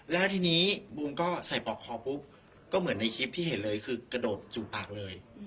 แล้วทีนี้บูมก็ใส่ปอกคอปุ๊บก็เหมือนในคลิปที่เห็นเลยคือกระโดดจูบปากเลย